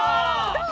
どう？